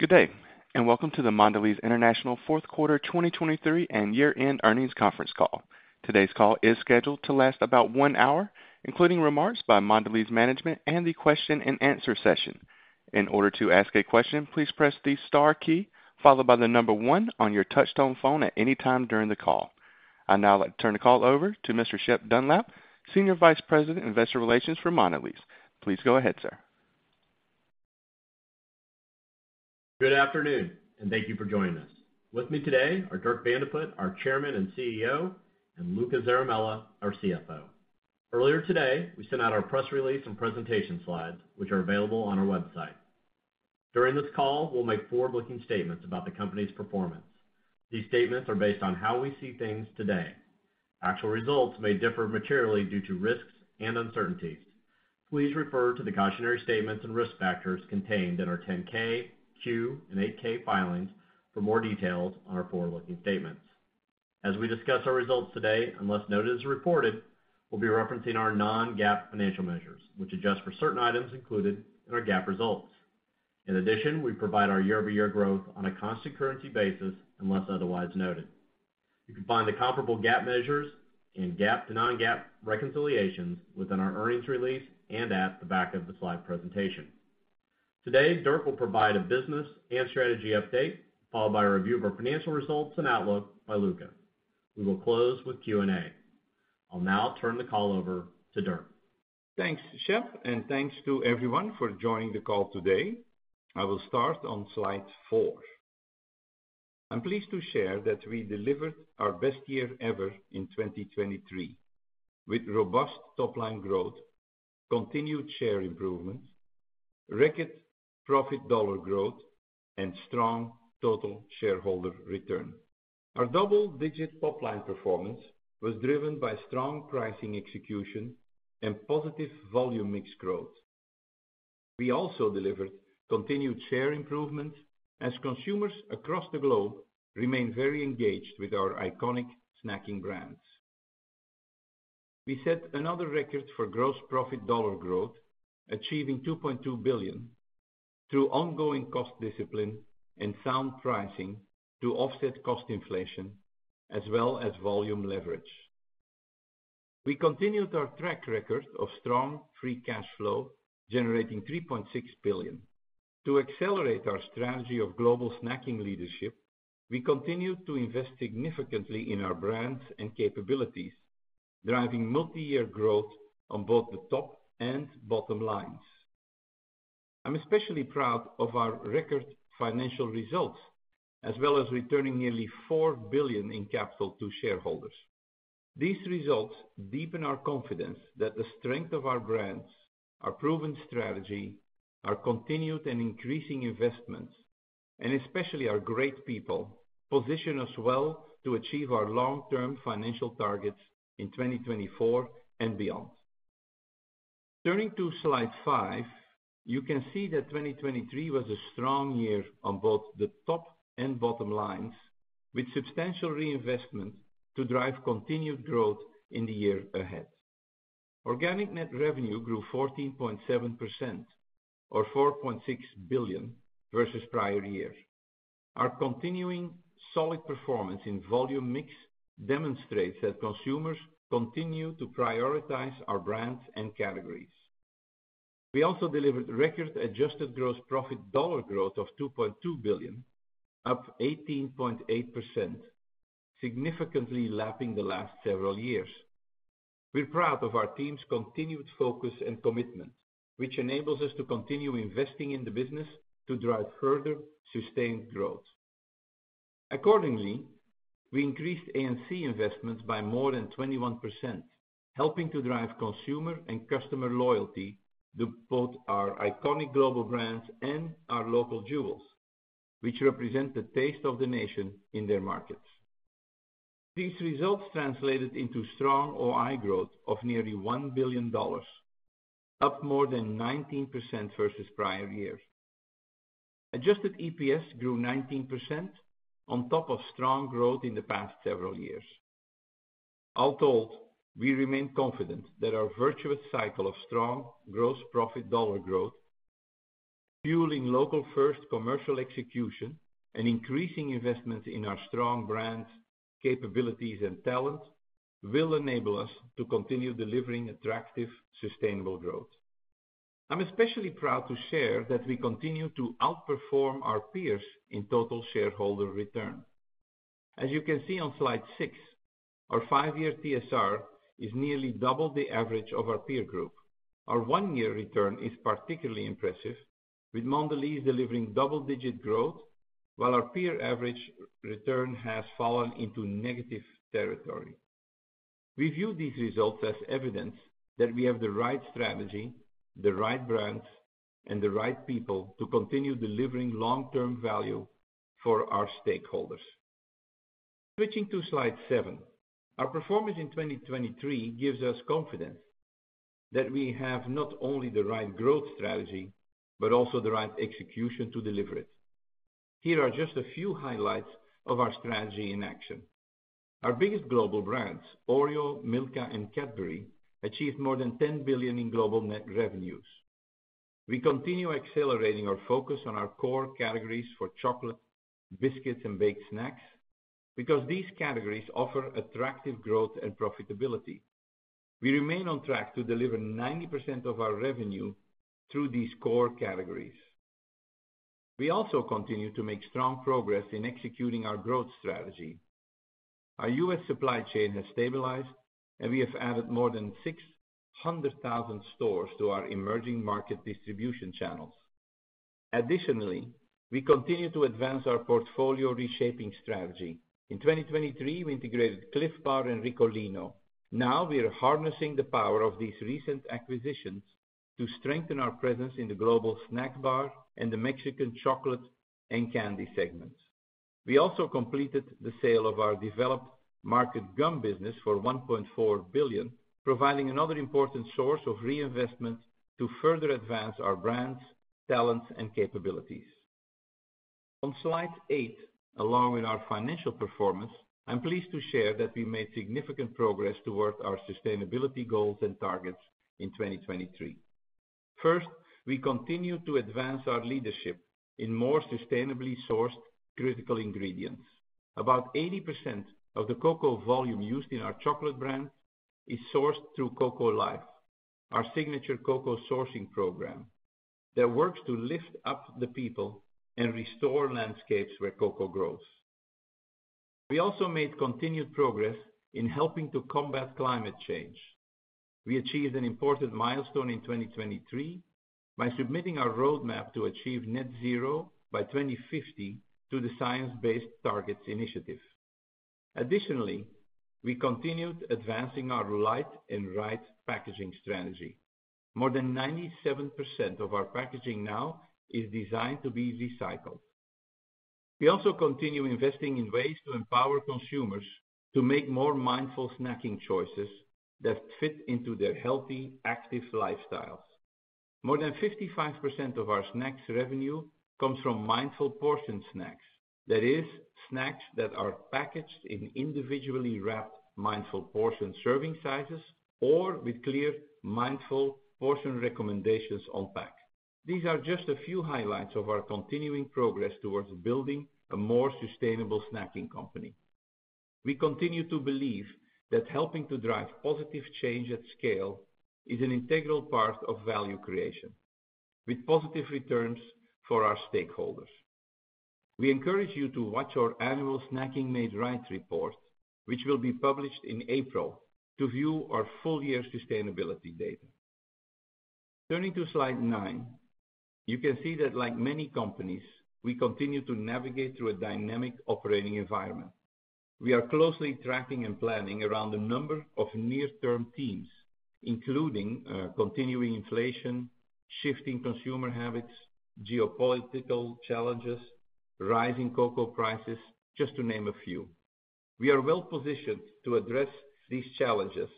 Good day, and welcome to the Mondelēz International Fourth Quarter 2023 and Year-End Earnings Conference Call. Today's call is scheduled to last about one hour, including remarks by Mondelēz management and the question and answer session. In order to ask a question, please press the star key followed by the number one on your touch-tone phone at any time during the call. I'd now like to turn the call over to Mr. Shep Dunlap, Senior Vice President, Investor Relations for Mondelēz. Please go ahead, sir. Good afternoon, and thank you for joining us. With me today are Dirk Van de Put, our Chairman and CEO, and Luca Zaramella, our CFO. Earlier today, we sent out our press release and presentation slides, which are available on our website. During this call, we'll make forward-looking statements about the company's performance. These statements are based on how we see things today. Actual results may differ materially due to risks and uncertainties. Please refer to the cautionary statements and risk factors contained in our 10-K, 10-Q, and 8-K filings for more details on our forward-looking statements. As we discuss our results today, unless noted as reported, we'll be referencing our non-GAAP financial measures, which adjust for certain items included in our GAAP results. In addition, we provide our year-over-year growth on a constant currency basis, unless otherwise noted. You can find the comparable GAAP measures and GAAP to non-GAAP reconciliations within our earnings release and at the back of the slide presentation. Today, Dirk will provide a business and strategy update, followed by a review of our financial results and outlook by Luca. We will close with Q&A. I'll now turn the call over to Dirk. Thanks, Shep, and thanks to everyone for joining the call today. I will start on slide four. I'm pleased to share that we delivered our best year ever in 2023, with robust top-line growth, continued share improvements, record profit dollar growth, and strong total shareholder return. Our double-digit top-line performance was driven by strong pricing execution and positive volume mix growth. We also delivered continued share improvement as consumers across the globe remain very engaged with our iconic snacking brands. We set another record for gross profit dollar growth, achieving $2.2 billion, through ongoing cost discipline and sound pricing to offset cost inflation as well as volume leverage. We continued our track record of strong free cash flow, generating $3.6 billion. To accelerate our strategy of global snacking leadership, we continued to invest significantly in our brands and capabilities, driving multi-year growth on both the top and bottom lines. I'm especially proud of our record financial results, as well as returning nearly $4 billion in capital to shareholders. These results deepen our confidence that the strength of our brands, our proven strategy, our continued and increasing investments, and especially our great people, position us well to achieve our long-term financial targets in 2024 and beyond. Turning to slide five, you can see that 2023 was a strong year on both the top and bottom lines, with substantial reinvestment to drive continued growth in the year ahead. Organic Net Revenue grew 14.7% or $4.6 billion versus prior years. Our continuing solid performance in Volume Mix demonstrates that consumers continue to prioritize our brands and categories. We also delivered record adjusted gross profit dollar growth of $2.2 billion, up 18.8%, significantly lapping the last several years. We're proud of our team's continued focus and commitment, which enables us to continue investing in the business to drive further sustained growth. Accordingly, we increased A&C investments by more than 21%, helping to drive consumer and customer loyalty to both our iconic global brands and our local jewels, which represent the taste of the nation in their markets. These results translated into strong OI growth of nearly $1 billion, up more than 19% versus prior years. Adjusted EPS grew 19% on top of strong growth in the past several years. All told, we remain confident that our virtuous cycle of strong gross profit dollar growth, fueling local-first commercial execution, and increasing investments in our strong brands, capabilities, and talents, will enable us to continue delivering attractive, sustainable growth. I'm especially proud to share that we continue to outperform our peers in total shareholder return. As you can see on slide six, our five-year TSR is nearly double the average of our peer group. Our one-year return is particularly impressive, with Mondelēz delivering double-digit growth, while our peer average return has fallen into negative territory. We view these results as evidence that we have the right strategy, the right brands, and the right people to continue delivering long-term value for our stakeholders. Switching to slide seven, our performance in 2023 gives us confidence that we have not only the right growth strategy, but also the right execution to deliver it. Here are just a few highlights of our strategy in action. Our biggest global brands, Oreo, Milka, and Cadbury, achieved more than $10 billion in global net revenues. We continue accelerating our focus on our core categories for chocolate, biscuits, and baked snacks, because these categories offer attractive growth and profitability. We remain on track to deliver 90% of our revenue through these core categories. We also continue to make strong progress in executing our growth strategy. Our U.S. supply chain has stabilized, and we have added more than 600,000 stores to our emerging market distribution channels. Additionally, we continue to advance our portfolio reshaping strategy. In 2023, we integrated Clif Bar and Ricolino. Now we are harnessing the power of these recent acquisitions to strengthen our presence in the global snack bar and the Mexican chocolate and candy segments. We also completed the sale of our developed market gum business for $1.4 billion, providing another important source of reinvestment to further advance our brands, talents, and capabilities. On slide eight, along with our financial performance, I'm pleased to share that we made significant progress towards our sustainability goals and targets in 2023. First, we continued to advance our leadership in more sustainably sourced critical ingredients. About 80% of the cocoa volume used in our chocolate brand is sourced through Cocoa Life, our signature cocoa sourcing program, that works to lift up the people and restore landscapes where cocoa grows. We also made continued progress in helping to combat climate change. We achieved an important milestone in 2023 by submitting our roadmap to achieve net zero by 2050 to the Science Based Targets initiative. Additionally, we continued advancing our light and right packaging strategy. More than 97% of our packaging now is designed to be recycled. We also continue investing in ways to empower consumers to make more mindful snacking choices that fit into their healthy, active lifestyles. More than 55% of our snacks revenue comes from mindful portion snacks. That is, snacks that are packaged in individually wrapped, mindful portion serving sizes, or with clear, mindful portion recommendations on pack. These are just a few highlights of our continuing progress towards building a more sustainable snacking company. We continue to believe that helping to drive positive change at scale is an integral part of value creation, with positive returns for our stakeholders. We encourage you to watch our annual Snacking Made Right report, which will be published in April, to view our full year sustainability data. Turning to slide nine, you can see that like many companies, we continue to navigate through a dynamic operating environment. We are closely tracking and planning around a number of near-term themes, including, continuing inflation, shifting consumer habits, geopolitical challenges, rising cocoa prices, just to name a few. We are well positioned to address these challenges,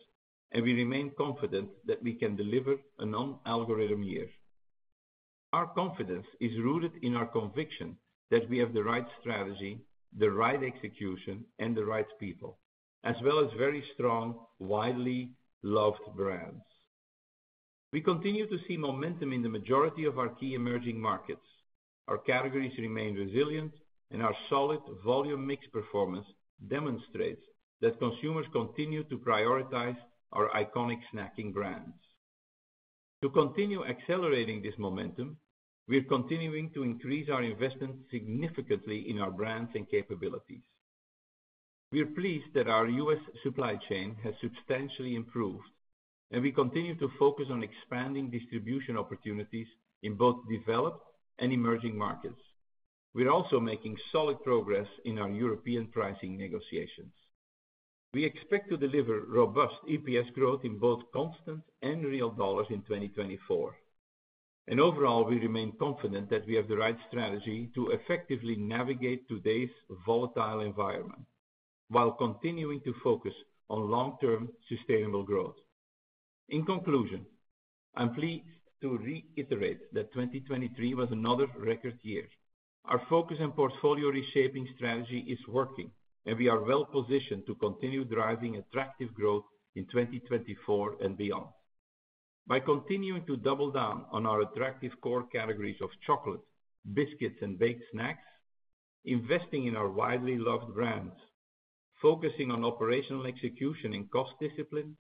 and we remain confident that we can deliver a non-algorithm year. Our confidence is rooted in our conviction that we have the right strategy, the right execution, and the right people, as well as very strong, widely loved brands. We continue to see momentum in the majority of our key emerging markets. Our categories remain resilient, and our solid volume mix performance demonstrates that consumers continue to prioritize our iconic snacking brands. To continue accelerating this momentum, we are continuing to increase our investment significantly in our brands and capabilities. We are pleased that our U.S. supply chain has substantially improved, and we continue to focus on expanding distribution opportunities in both developed and emerging markets. We are also making solid progress in our European pricing negotiations. We expect to deliver robust EPS growth in both constant and real dollars in 2024. Overall, we remain confident that we have the right strategy to effectively navigate today's volatile environment, while continuing to focus on long-term sustainable growth. In conclusion, I'm pleased to reiterate that 2023 was another record year. Our focus and portfolio reshaping strategy is working, and we are well positioned to continue driving attractive growth in 2024 and beyond. By continuing to double down on our attractive core categories of chocolate, biscuits, and baked snacks, investing in our widely loved brands, focusing on operational execution and cost discipline,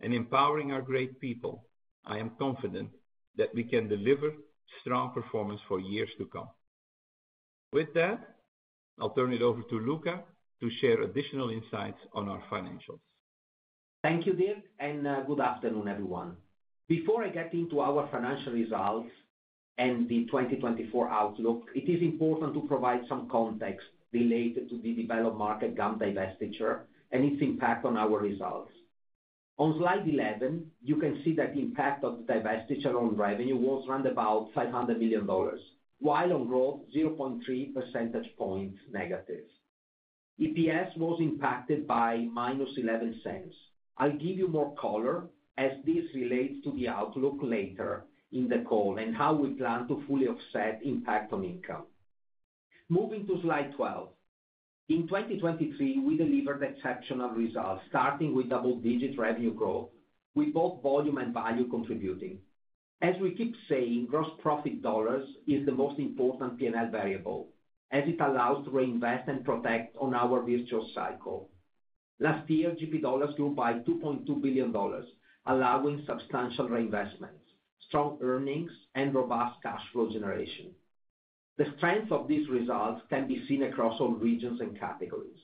and empowering our great people, I am confident that we can deliver strong performance for years to come. With that, I'll turn it over to Luca to share additional insights on our financials. Thank you, Dirk, and good afternoon, everyone. Before I get into our financial results and the 2024 outlook, it is important to provide some context related to the developed market gum divestiture and its impact on our results. On slide 11, you can see that the impact of divestiture on revenue was round about $500 million, while on growth, 0.3 percentage points negative. EPS was impacted by -$0.11. I'll give you more color as this relates to the outlook later in the call, and how we plan to fully offset impact on income. Moving to slide 12. In 2023, we delivered exceptional results, starting with double-digit revenue growth, with both volume and value contributing. As we keep saying, gross profit dollars is the most important P&L variable, as it allows to reinvest and protect on our virtual cycle. Last year, GP dollars grew by $2.2 billion, allowing substantial reinvestments, strong earnings, and robust cash flow generation. The strength of these results can be seen across all regions and categories.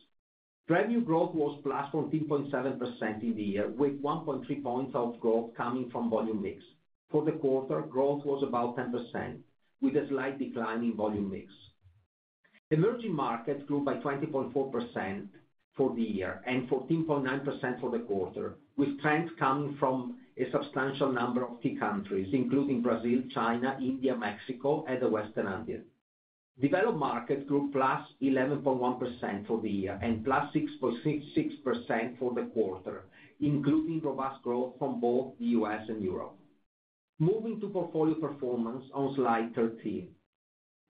Revenue growth was +14.7% in the year, with 1.3 points of growth coming from volume mix. For the quarter, growth was about 10%, with a slight decline in volume mix. Emerging markets grew by 20.4% for the year and 14.9% for the quarter, with trends coming from a substantial number of key countries, including Brazil, China, India, Mexico, and the Western Andean. Developed markets grew +11.1% for the year and +6.66% for the quarter, including robust growth from both the U.S. and Europe. Moving to portfolio performance on slide 13.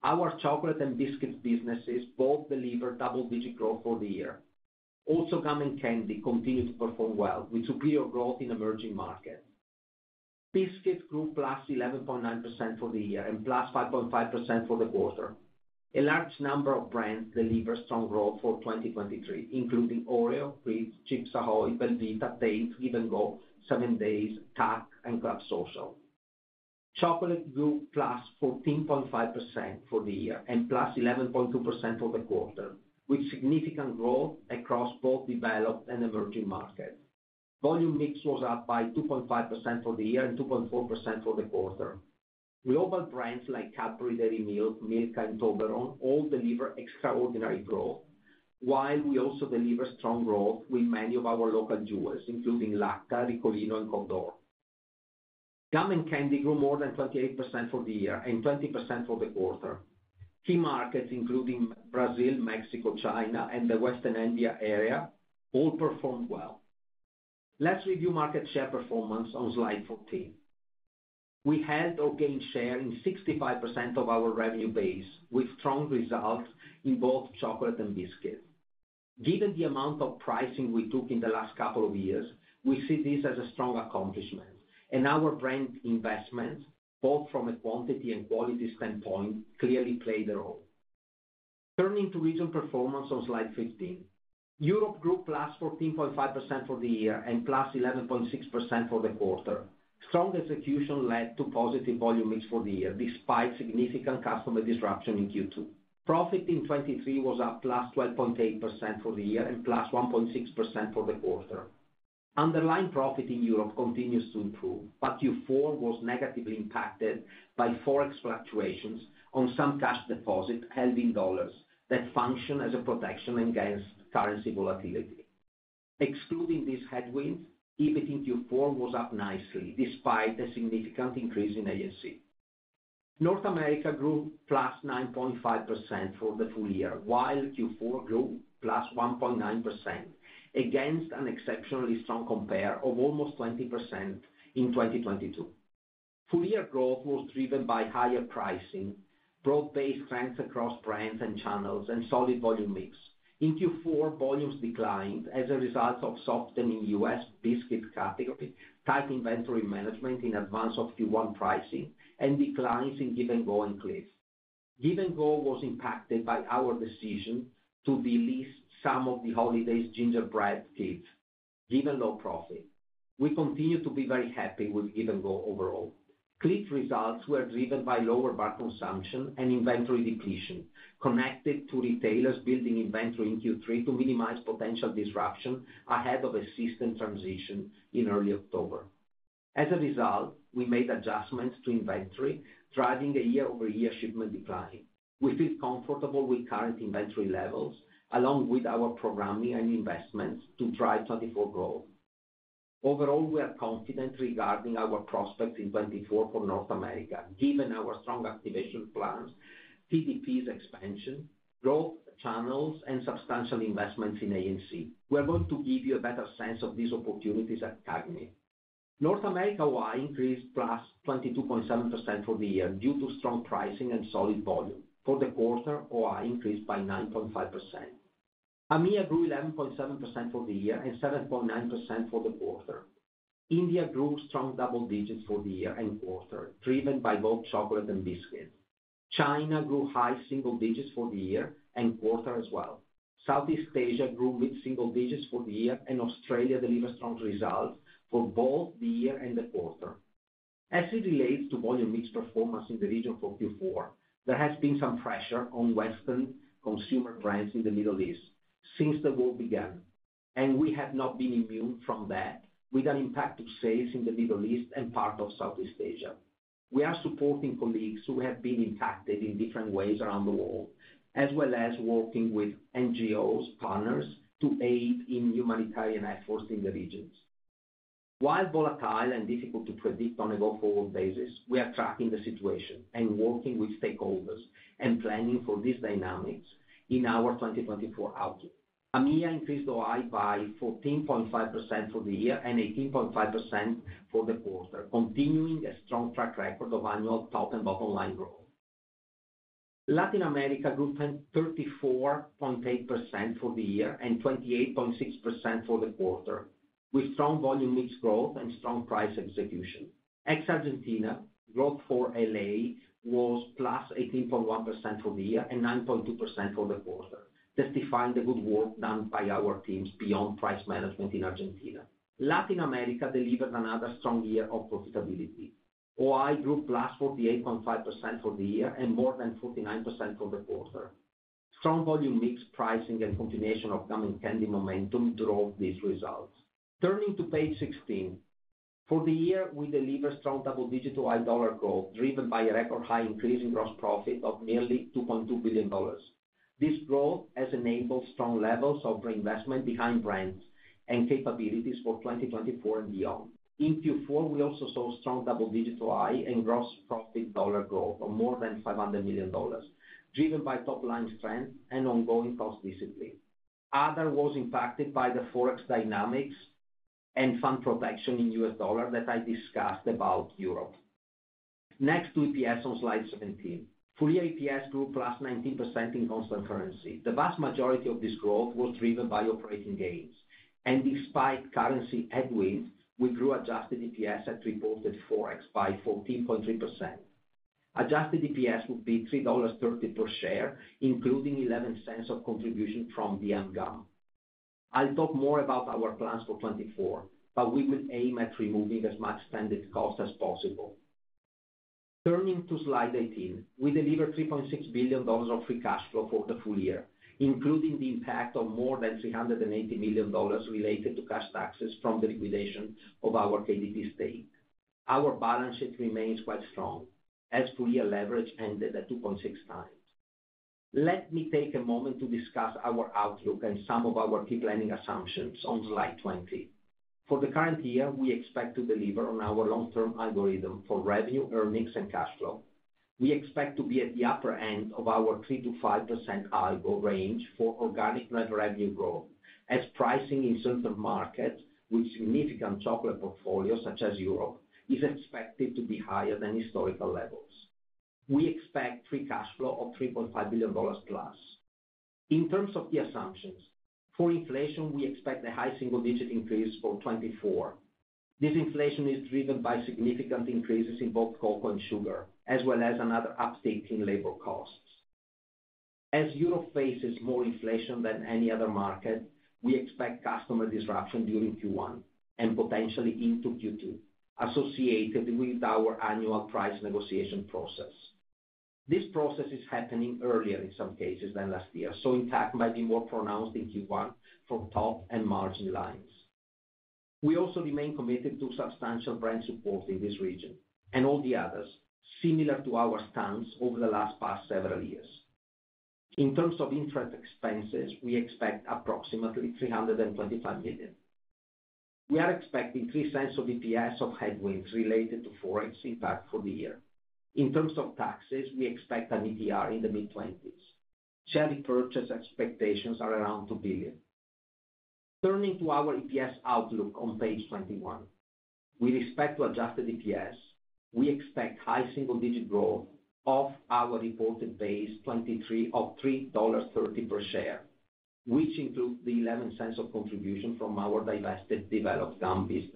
Our chocolate and biscuits businesses both delivered double-digit growth for the year. Also, gum and candy continued to perform well, with superior growth in emerging markets. Biscuits grew +11.9% for the year and +5.5% for the quarter. A large number of brands delivered strong growth for 2023, including Oreo, Chips Ahoy!, belVita, Tate's, Give & Go, 7Days, TUC, and Club Social. Chocolate grew +14.5% for the year and +11.2% for the quarter, with significant growth across both developed and emerging markets. Volume mix was up by 2.5% for the year and 2.4% for the quarter. Global brands like Cadbury Dairy Milk, Milka, and Toblerone all deliver extraordinary growth, while we also deliver strong growth with many of our local jewels, including Lacta, Ricolino, and Côte d'Or. Gum and candy grew more than 28% for the year and 20% for the quarter. Key markets, including Brazil, Mexico, China, and the Western Andean area, all performed well. Let's review market share performance on slide 14. We held or gained share in 65% of our revenue base, with strong results in both chocolate and biscuits. Given the amount of pricing we took in the last couple of years, we see this as a strong accomplishment, and our brand investments, both from a quantity and quality standpoint, clearly played a role. Turning to regional performance on slide 15. Europe grew +14.5% for the year and +11.6% for the quarter. Strong execution led to positive volume mix for the year, despite significant customer disruption in Q2. Profit in 2023 was up +12.8% for the year and +1.6% for the quarter. Underlying profit in Europe continues to improve, but Q4 was negatively impacted by Forex fluctuations on some cash deposits held in U.S. dollars that function as a protection against currency volatility. Excluding this headwind, EBIT in Q4 was up nicely, despite a significant increase in A&C. North America grew +9.5% for the full year, while Q4 grew +1.9%, against an exceptionally strong compare of almost 20% in 2022. Full year growth was driven by higher pricing, broad-based trends across brands and channels, and solid volume mix. In Q4, volumes declined as a result of softening U.S. biscuit category, tight inventory management in advance of Q1 pricing, and declines in Give & Go and Clif. Give & Go was impacted by our decision to delist some of the holidays gingerbread SKUs, given low profit. We continue to be very happy with Give & Go overall. Clif results were driven by lower bar consumption and inventory depletion, connected to retailers building inventory in Q3 to minimize potential disruption ahead of a system transition in early October. As a result, we made adjustments to inventory, driving a year-over-year shipment decline. We feel comfortable with current inventory levels, along with our programming and investments to drive 2024 growth. Overall, we are confident regarding our prospects in 2024 for North America, given our strong activation plans, TDPs expansion, growth channels, and substantial investments in A&C. We are going to give you a better sense of these opportunities at CAGNY. North America OI increased +22.7% for the year due to strong pricing and solid volume. For the quarter, OI increased by 9.5%. AMEA grew 11.7% for the year and 7.9% for the quarter. India grew strong double digits for the year and quarter, driven by both chocolate and biscuits. China grew high single digits for the year and quarter as well. Southeast Asia grew mid single digits for the year, and Australia delivered strong results for both the year and the quarter. As it relates to volume mix performance in the region for Q4, there has been some pressure on Western consumer brands in the Middle East since the war began, and we have not been immune from that, with an impact to sales in the Middle East and part of Southeast Asia. We are supporting colleagues who have been impacted in different ways around the world, as well as working with NGOs, partners, to aid in humanitarian efforts in the regions. While volatile and difficult to predict on a go-forward basis, we are tracking the situation and working with stakeholders and planning for these dynamics... in our 2024 outlook. AMEA increased OI by 14.5% for the year and 18.5% for the quarter, continuing a strong track record of annual top and bottom line growth. Latin America grew 34.8% for the year and 28.6% for the quarter, with strong volume mix growth and strong price execution. Ex-Argentina, growth for LA was +18.1% for the year and 9.2% for the quarter, testifying the good work done by our teams beyond price management in Argentina. Latin America delivered another strong year of profitability. OI grew +48.5% for the year and more than 49% for the quarter. Strong volume mix pricing and continuation of gum and candy momentum drove these results. Turning to page 16. For the year, we delivered strong double-digit OI dollar growth, driven by a record high increase in gross profit of nearly $2.2 billion. This growth has enabled strong levels of reinvestment behind brands and capabilities for 2024 and beyond. In Q4, we also saw strong double-digit OI and gross profit dollar growth of more than $500 million, driven by top line strength and ongoing cost discipline. Other was impacted by the Forex dynamics and fund protection in U.S. dollar that I discussed about Europe. Next to EPS on slide 17. Full year EPS grew +19% in constant currency. The vast majority of this growth was driven by operating gains, and despite currency headwinds, we grew adjusted EPS at reported Forex by 14.3%. Adjusted EPS would be $3.30 per share, including $0.11 of contribution from D.M. gum. I'll talk more about our plans for 2024, but we will aim at removing as much stranded cost as possible. Turning to slide 18. We delivered $3.6 billion of free cash flow for the full year, including the impact of more than $380 million related to cash taxes from the liquidation of our KDP stake. Our balance sheet remains quite strong as full year leverage ended at 2.6x. Let me take a moment to discuss our outlook and some of our key planning assumptions on slide 20. For the current year, we expect to deliver on our long-term algorithm for revenue, earnings, and cash flow. We expect to be at the upper end of our 3%-5% algo range for organic net revenue growth, as pricing in certain markets with significant chocolate portfolios, such as Europe, is expected to be higher than historical levels. We expect free cash flow of $3.5 billion+. In terms of the assumptions, for inflation, we expect a high single-digit increase for 2024. This inflation is driven by significant increases in both cocoa and sugar, as well as another uptick in labor costs. As Europe faces more inflation than any other market, we expect customer disruption during Q1 and potentially into Q2, associated with our annual price negotiation process. This process is happening earlier in some cases than last year, so impact might be more pronounced in Q1 from top and margin lines. We also remain committed to substantial brand support in this region and all the others, similar to our stance over the last several years. In terms of interest expenses, we expect approximately $325 million. We are expecting 3 cents of EPS headwinds related to Forex impact for the year. In terms of taxes, we expect an ETR in the mid-20s. Share repurchase expectations are around $2 billion. Turning to our EPS outlook on page 21. With respect to adjusted EPS, we expect high single-digit growth off our reported base 2023 of $3.30 per share, which includes the $0.11 cents of contribution from our divested developed gum business.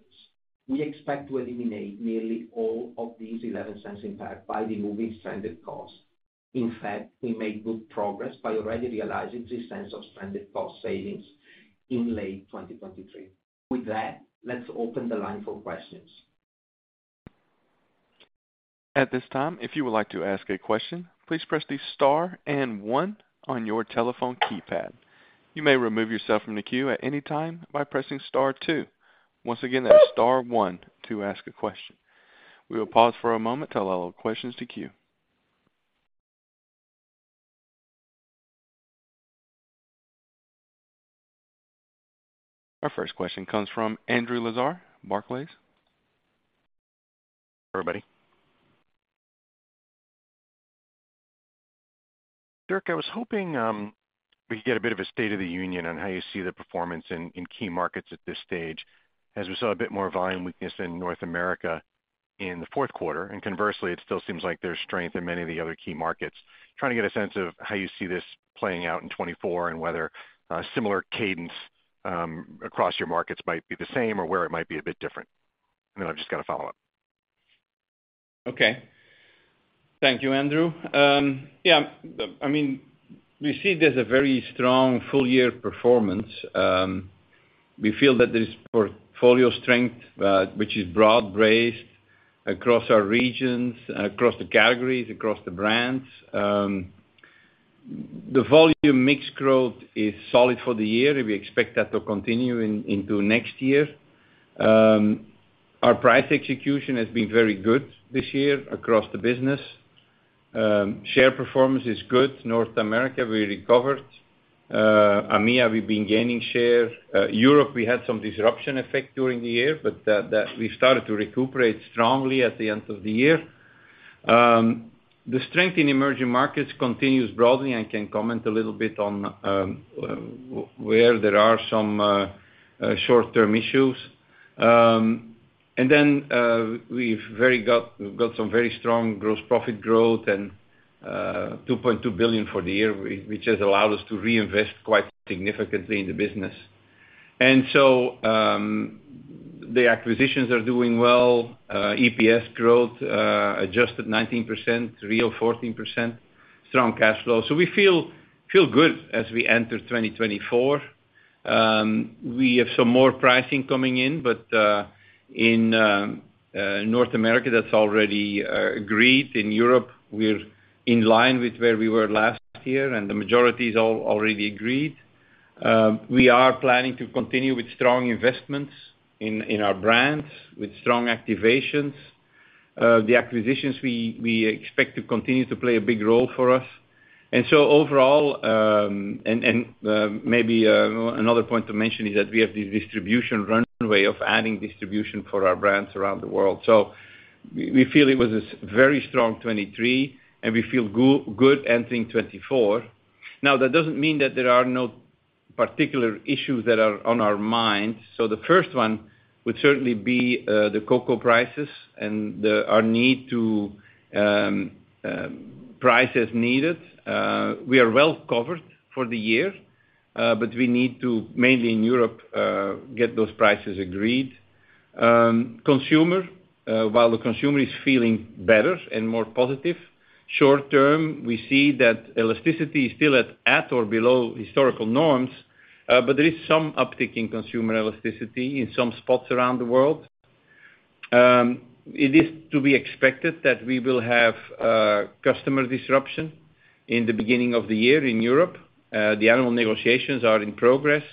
We expect to eliminate nearly all of these $0.11 impact by removing stranded costs. In fact, we made good progress by already realizing $0.03 of stranded cost savings in late 2023. With that, let's open the line for questions. At this time, if you would like to ask a question, please press the star and one on your telephone keypad. You may remove yourself from the queue at any time by pressing star two. Once again, that's star one to ask a question. We will pause for a moment to allow all questions to queue. Our first question comes from Andrew Lazar, Barclays. Everybody. Dirk, I was hoping, we could get a bit of a state of the union on how you see the performance in key markets at this stage, as we saw a bit more volume weakness in North America in the fourth quarter, and conversely, it still seems like there's strength in many of the other key markets. Trying to get a sense of how you see this playing out in 2024 and whether, similar cadence, across your markets might be the same or where it might be a bit different. And then I've just got a follow-up. Okay. Thank you, Andrew. Yeah, I mean, we see there's a very strong full-year performance. We feel that there is portfolio strength, which is broad-based across our regions, across the categories, across the brands. The volume mix growth is solid for the year, and we expect that to continue into next year. Our price execution has been very good this year across the business. Share performance is good. North America, we recovered. AMEA, we've been gaining share. Europe, we had some disruption effect during the year, but that we started to recuperate strongly at the end of the year. The strength in emerging markets continues broadly. I can comment a little bit on where there are some short-term issues. And then we've got some very strong gross profit growth and $2.2 billion for the year, which has allowed us to reinvest quite significantly in the business. And so the acquisitions are doing well, EPS growth adjusted 19%, real 14%, strong cash flow. So we feel good as we enter 2024. We have some more pricing coming in, but in North America that's already agreed. In Europe, we're in line with where we were last year, and the majority is already agreed. We are planning to continue with strong investments in our brands, with strong activations. The acquisitions we expect to continue to play a big role for us. And so overall, and maybe, another point to mention is that we have the distribution runway of adding distribution for our brands around the world. So we feel it was a very strong 2023, and we feel good entering 2024. Now, that doesn't mean that there are no particular issues that are on our mind. So the first one would certainly be, the cocoa prices and the, our need to, price as needed. We are well covered for the year, but we need to, mainly in Europe, get those prices agreed. Consumer, while the consumer is feeling better and more positive, short term, we see that elasticity is still at or below historical norms, but there is some uptick in consumer elasticity in some spots around the world. It is to be expected that we will have customer disruption in the beginning of the year in Europe. The annual negotiations are in progress.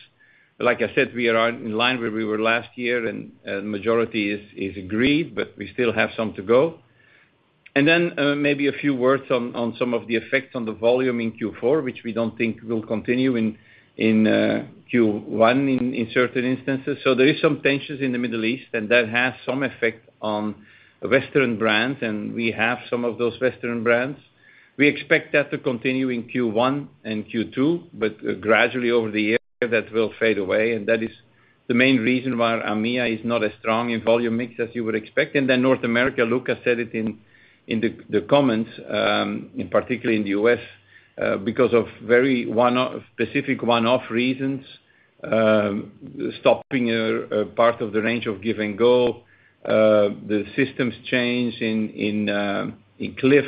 Like I said, we are on line where we were last year, and majority is agreed, but we still have some to go. And then, maybe a few words on some of the effects on the volume in Q4, which we don't think will continue in Q1 in certain instances. So there is some tensions in the Middle East, and that has some effect on Western brands, and we have some of those Western brands. We expect that to continue in Q1 and Q2, but gradually over the year, that will fade away, and that is the main reason why AMEA is not as strong in volume mix as you would expect. And then North America, Luca said it in the comments, in particular in the U.S., because of very one-off, specific one-off reasons, stopping a part of the range of Give & Go, the systems change in Clif,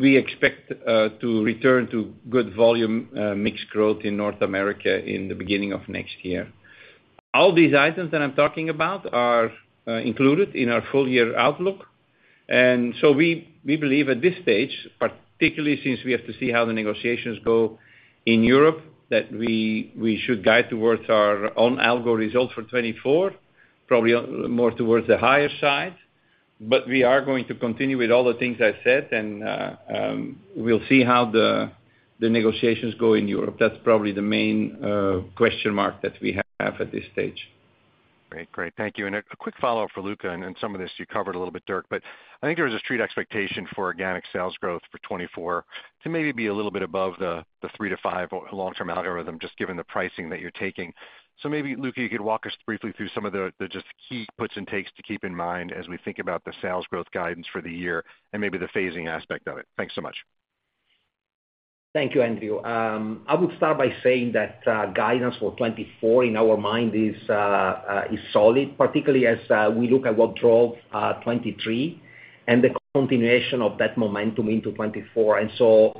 we expect to return to good volume mixed growth in North America in the beginning of next year. All these items that I'm talking about are included in our full year outlook. And so we believe at this stage, particularly since we have to see how the negotiations go in Europe, that we should guide towards our own algo result for 2024, probably or more towards the higher side. But we are going to continue with all the things I said, and we'll see how the negotiations go in Europe. That's probably the main question mark that we have at this stage. Great, great. Thank you. A quick follow-up for Luca, and then some of this you covered a little bit, Dirk, but I think there was a street expectation for organic sales growth for 2024 to maybe be a little bit above the 3%-5% long-term algorithm, just given the pricing that you're taking. So maybe, Luca, you could walk us briefly through some of the just key puts and takes to keep in mind as we think about the sales growth guidance for the year and maybe the phasing aspect of it. Thanks so much. Thank you, Andrew. I would start by saying that guidance for 2024 in our mind is solid, particularly as we look at what drove 2023 and the continuation of that momentum into 2024. And so,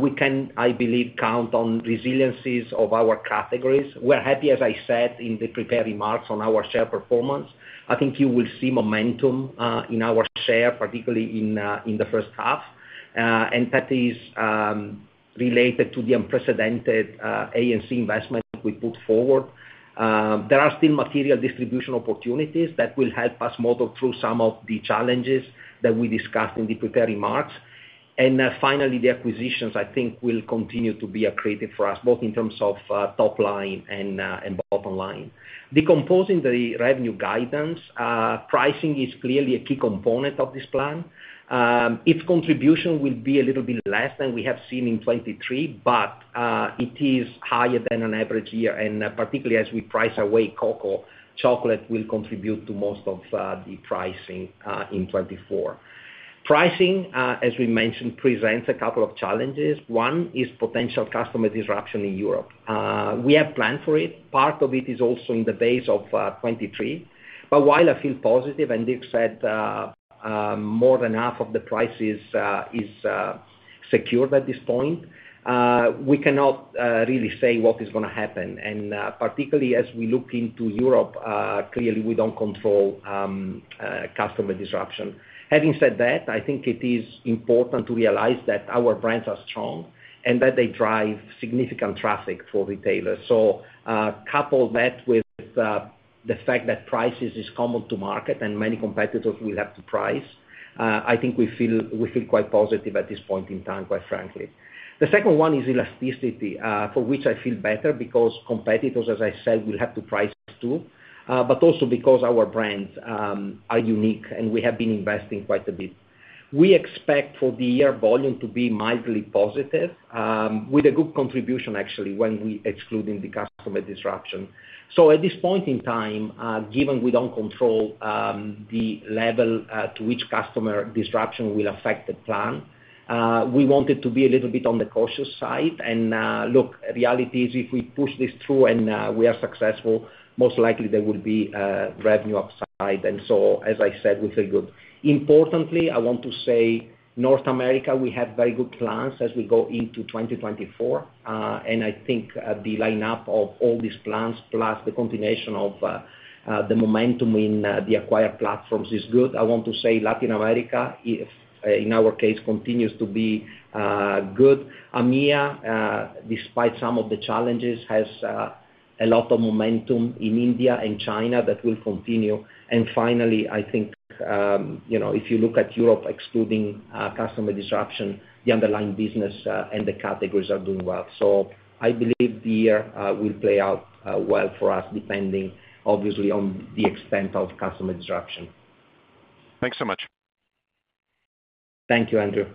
we can, I believe, count on resiliencies of our categories. We're happy, as I said, in the prepared remarks on our share performance. I think you will see momentum in our share, particularly in the first half, and that is related to the unprecedented A&C investment we put forward. There are still material distribution opportunities that will help us muddle through some of the challenges that we discussed in the prepared remarks. And finally, the acquisitions, I think, will continue to be accretive for us, both in terms of top line and bottom line. Decomposing the revenue guidance, pricing is clearly a key component of this plan. Its contribution will be a little bit less than we have seen in 2023, but it is higher than an average year, and particularly as we price away cocoa, chocolate will contribute to most of the pricing in 2024. Pricing, as we mentioned, presents a couple of challenges. One is potential customer disruption in Europe. We have planned for it. Part of it is also in the base of 2023. But while I feel positive, and Dirk said more than half of the price is secured at this point, we cannot really say what is gonna happen. And particularly as we look into Europe, clearly, we don't control customer disruption. Having said that, I think it is important to realize that our brands are strong and that they drive significant traffic for retailers. So, couple that with the fact that prices is common to market and many competitors will have to price, I think we feel, we feel quite positive at this point in time, quite frankly. The second one is elasticity, for which I feel better because competitors, as I said, will have to price too, but also because our brands are unique, and we have been investing quite a bit. We expect for the year volume to be mildly positive, with a good contribution actually, when we excluding the customer disruption. So at this point in time, given we don't control the level to which customer disruption will affect the plan, we want it to be a little bit on the cautious side. Look, reality is if we push this through and we are successful, most likely there will be a revenue upside. And so, as I said, we feel good. Importantly, I want to say North America, we have very good plans as we go into 2024. And I think the lineup of all these plans, plus the combination of the momentum in the acquired platforms is good. I want to say Latin America, if in our case, continues to be good. AMEA, despite some of the challenges, has a lot of momentum in India and China that will continue. And finally, I think, you know, if you look at Europe, excluding customer disruption, the underlying business and the categories are doing well. So I believe the year will play out well for us, depending obviously on the extent of customer disruption. Thanks so much. Thank you, Andrew.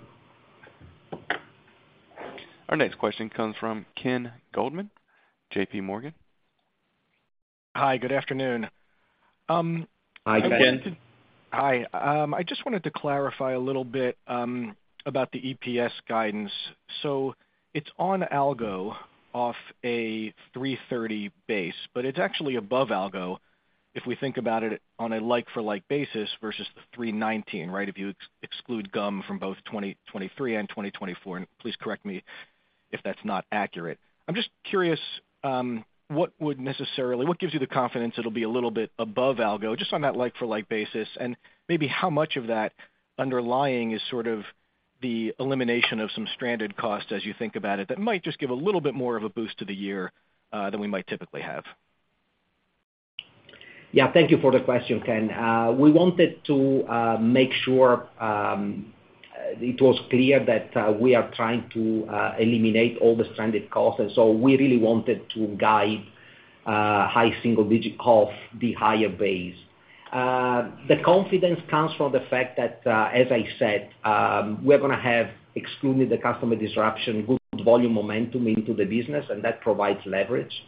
Our next question comes from Ken Goldman, JPMorgan. Hi, good afternoon. Hi, Ken. Hi, I just wanted to clarify a little bit about the EPS guidance. So it's on algo, off a $3.30 base, but it's actually above algo, if we think about it on a like-for-like basis versus the $3.19, right? If you exclude gum from both 2023 and 2024, and please correct me if that's not accurate. I'm just curious what gives you the confidence it'll be a little bit above algo, just on that like-for-like basis, and maybe how much of that underlying is sort of the elimination of some stranded costs as you think about it, that might just give a little bit more of a boost to the year than we might typically have? Yeah, thank you for the question, Ken. We wanted to make sure it was clear that we are trying to eliminate all the stranded costs, and so we really wanted to guide high single-digit off the higher base. The confidence comes from the fact that, as I said, we're gonna have, excluding the customer disruption, good volume momentum into the business, and that provides leverage.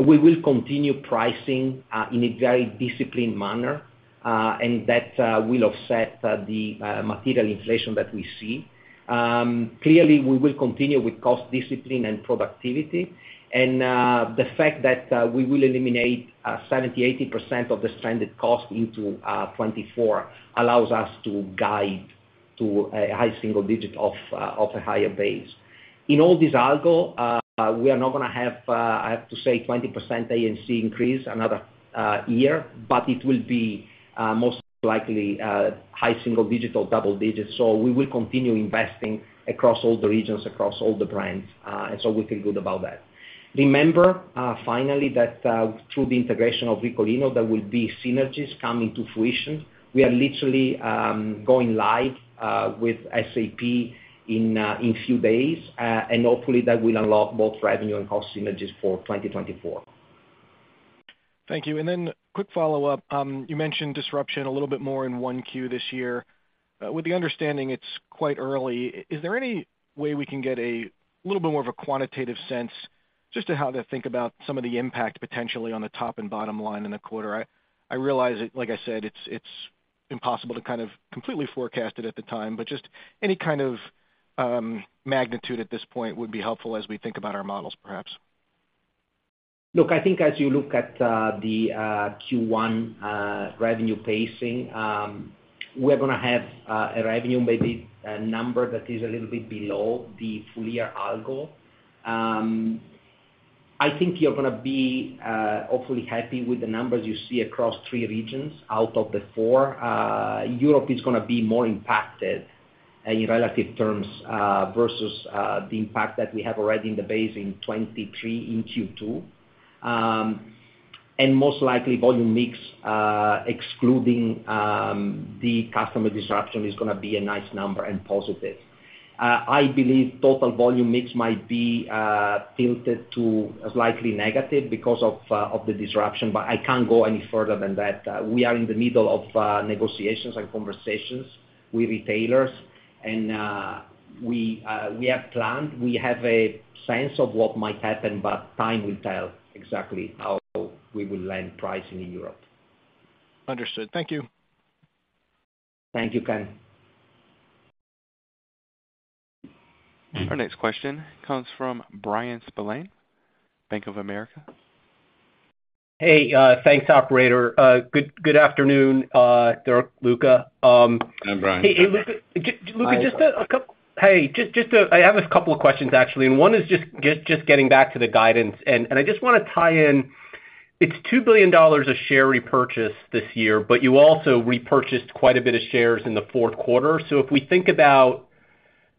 We will continue pricing in a very disciplined manner, and that will offset the material inflation that we see. Clearly, we will continue with cost discipline and productivity. And the fact that we will eliminate 70%-80% of the stranded cost into 2024 allows us to guide to a high single-digit of a higher base. In all this algo, we are not gonna have, I have to say, 20% A&C increase another year, but it will be, most likely, high single-digit, double digits. So we will continue investing across all the regions, across all the brands, and so we feel good about that. Remember, finally, that through the integration of Ricolino, there will be synergies coming to fruition. We are literally going live with SAP in few days, and hopefully that will unlock both revenue and cost synergies for 2024. Thank you. And then quick follow-up. You mentioned disruption a little bit more in 1Q this year. With the understanding, it's quite early, is there any way we can get a little bit more of a quantitative sense just to how to think about some of the impact potentially on the top and bottom line in the quarter? I, I realize it, like I said, it's, it's impossible to kind of completely forecast it at the time, but just any kind of magnitude at this point would be helpful as we think about our models, perhaps. Look, I think as you look at the Q1 revenue pacing, we're gonna have a revenue, maybe a number that is a little bit below the full year algo. I think you're gonna be hopefully happy with the numbers you see across three regions out of the four. Europe is gonna be more impacted in relative terms versus the impact that we have already in the base in 2023, in Q2. And most likely, volume mix excluding the customer disruption is gonna be a nice number and positive. I believe total volume mix might be tilted to slightly negative because of the disruption, but I can't go any further than that. We are in the middle of negotiations and conversations with retailers, and we have planned. We have a sense of what might happen, but time will tell exactly how we will land pricing in Europe. Understood. Thank you. Thank you, Ken. Our next question comes from Bryan Spillane, Bank of America. Hey, thanks, operator. Good, good afternoon, Luca. Hi, Brian. Hey, Luca, just a couple of questions, actually, and one is just getting back to the guidance, and I just wanna tie in, it's $2 billion share repurchase this year, but you also repurchased quite a bit of shares in the fourth quarter. So if we think about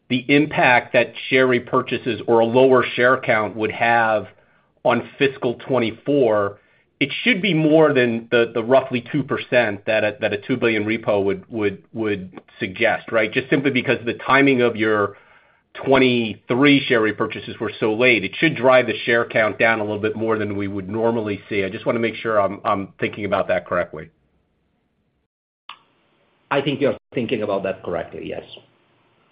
the impact that share repurchases or a lower share count would have on fiscal 2024, it should be more than the roughly 2% that a $2 billion repo would suggest, right? Just simply because the timing of your 2023 share repurchases were so late, it should drive the share count down a little bit more than we would normally see. I just wanna make sure I'm thinking about that correctly. I think you're thinking about that correctly, yes.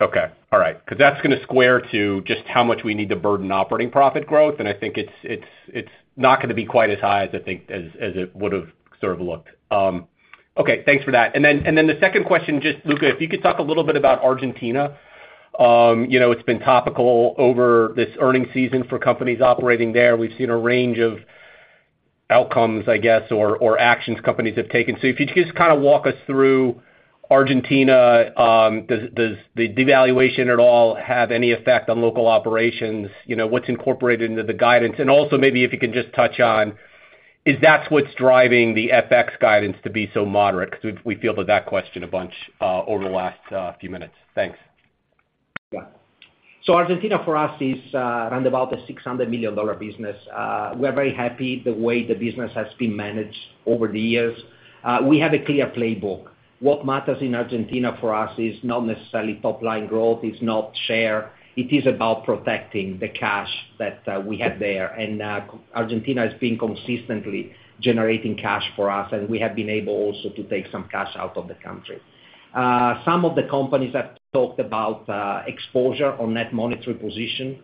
Okay. All right. Because that's gonna square to just how much we need to burden operating profit growth, and I think it's not gonna be quite as high as I think as it would have sort of looked. Okay, thanks for that. And then the second question, just, Luca, if you could talk a little bit about Argentina. You know, it's been topical over this earnings season for companies operating there. We've seen a range of outcomes, I guess, or actions companies have taken. So if you could just kind of walk us through Argentina, does the devaluation at all have any effect on local operations? You know, what's incorporated into the guidance? And also, maybe if you can just touch on, is that what's driving the FX guidance to be so moderate? Because we've fielded that question a bunch over the last few minutes. Thanks. Yeah. So Argentina for us is around about a $600 million business. We are very happy the way the business has been managed over the years. We have a clear playbook. What matters in Argentina for us is not necessarily top line growth, it's not share, it is about protecting the cash that we have there. And Argentina has been consistently generating cash for us, and we have been able also to take some cash out of the country. Some of the companies have talked about exposure on net monetary position.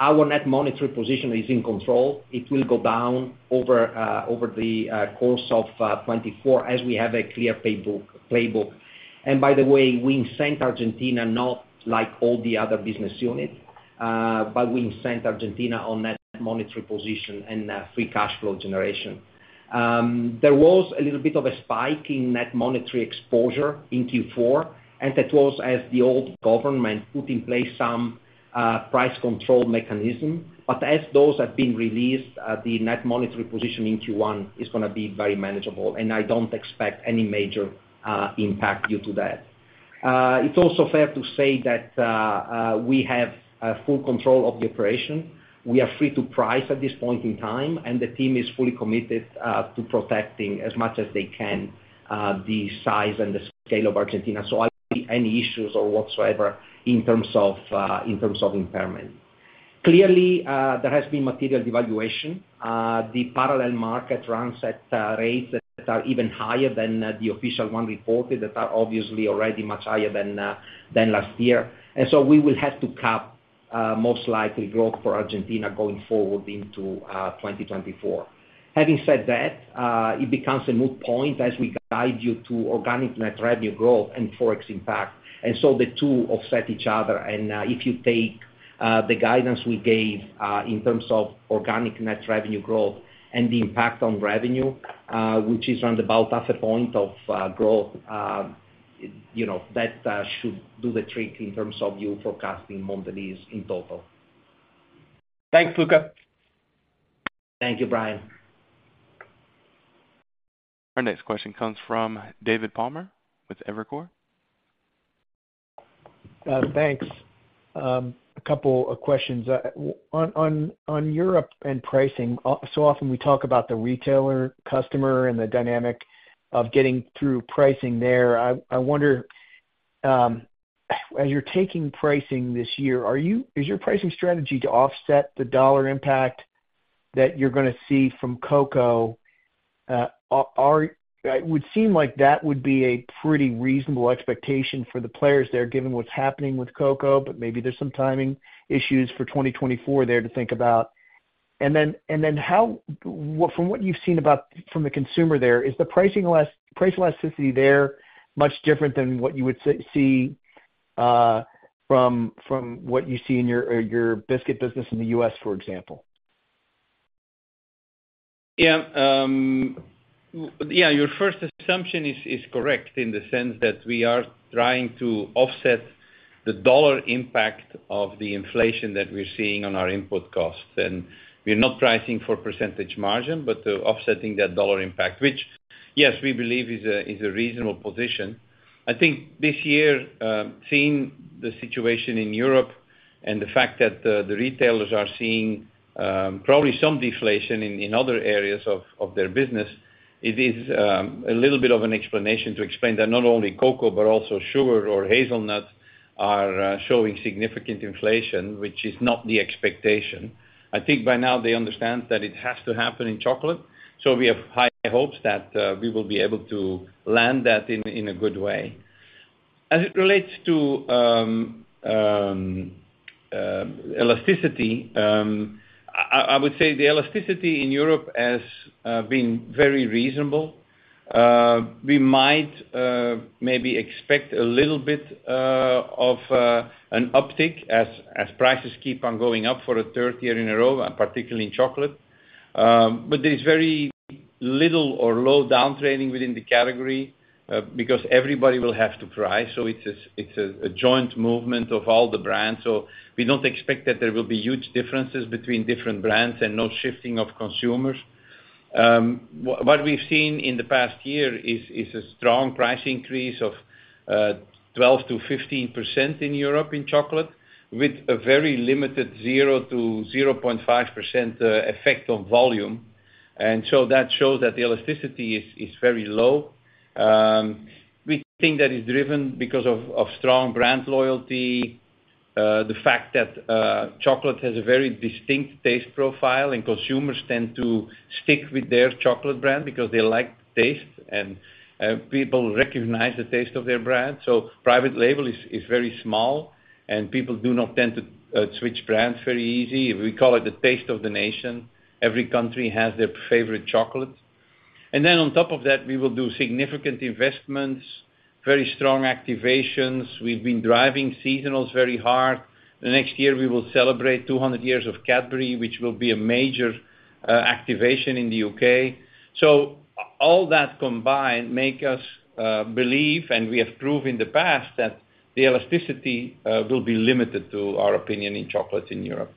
Our net monetary position is in control. It will go down over the course of 2024, as we have a clear playbook, playbook. And by the way, we incent Argentina, not like all the other business units, but we incent Argentina on net monetary position and free cash flow generation. There was a little bit of a spike in net monetary exposure in Q4, and that was as the old government put in place some price control mechanism. But as those have been released, the net monetary position in Q1 is gonna be very manageable, and I don't expect any major impact due to that. It's also fair to say that we have full control of the operation. We are free to price at this point in time, and the team is fully committed to protecting as much as they can the size and the scale of Argentina. I don't see any issues or whatsoever in terms of impairment. Clearly, there has been material devaluation. The parallel market runs at rates that are even higher than the official one reported, that are obviously already much higher than last year. We will have to cap most likely growth for Argentina going forward into 2024. Having said that, it becomes a moot point as we guide you to organic net revenue growth and Forex impact, and so the two offset each other. If you take the guidance we gave in terms of organic net revenue growth and the impact on revenue, which is around about 0.5 point of growth, you know, that should do the trick in terms of you forecasting Mondelēz in total. Thanks, Luca. Thank you, Brian. Our next question comes from David Palmer with Evercore. Thanks. A couple of questions. On Europe and pricing, so often we talk about the retailer, customer, and the dynamic of getting through pricing there. I wonder, as you're taking pricing this year, is your pricing strategy to offset the dollar impact that you're gonna see from cocoa? It would seem like that would be a pretty reasonable expectation for the players there, given what's happening with cocoa, but maybe there's some timing issues for 2024 there to think about. And then, from what you've seen about the consumer there, is the price elasticity there much different than what you would see from what you see in your biscuit business in the U.S., for example? Yeah, yeah, your first assumption is correct in the sense that we are trying to offset the dollar impact of the inflation that we're seeing on our input costs. And we are not pricing for percentage margin, but offsetting that dollar impact, which, yes, we believe is a reasonable position. I think this year, seeing the situation in Europe and the fact that the retailers are seeing probably some deflation in other areas of their business, it is a little bit of an explanation to explain that not only cocoa but also sugar or hazelnuts are showing significant inflation, which is not the expectation. I think by now they understand that it has to happen in chocolate, so we have high hopes that we will be able to land that in a good way. As it relates to elasticity, I would say the elasticity in Europe has been very reasonable. We might maybe expect a little bit of an uptick as prices keep on going up for a third year in a row, and particularly in chocolate. But there is very little or low downtrending within the category because everybody will have to price, so it's a joint movement of all the brands. So we don't expect that there will be huge differences between different brands and no shifting of consumers. What we've seen in the past year is a strong price increase of 12%-15% in Europe in chocolate, with a very limited 0%-0.5% effect on volume. So that shows that the elasticity is very low. We think that is driven because of strong brand loyalty, the fact that chocolate has a very distinct taste profile, and consumers tend to stick with their chocolate brand because they like the taste, and people recognize the taste of their brand. So private label is very small, and people do not tend to switch brands very easy. We call it the taste of the nation. Every country has their favorite chocolate. And then on top of that, we will do significant investments, very strong activations. We've been driving seasonals very hard. The next year, we will celebrate 200 years of Cadbury, which will be a major activation in the U.K. So all that combined make us believe, and we have proved in the past, that the elasticity will be limited to our opinion in chocolates in Europe.